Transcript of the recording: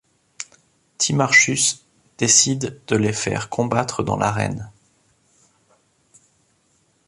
Timarchus décide de les faire combattre dans l'arène.